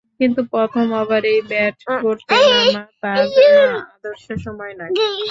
কিন্তু প্রথম ওভারেই ব্যাট করতে নামা তার জন্য আদর্শ সময় নয়।